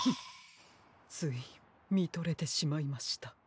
ついみとれてしまいました。